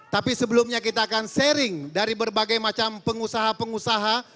tapi sebelumnya kita akan sharing dari berbagai macam pengusaha pengusaha